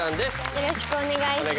よろしくお願いします。